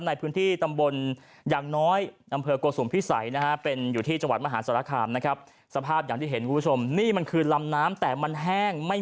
ในพื้นที่ตำบลอย่างน้อยอำเภอกสุมภิษัยนะฮะ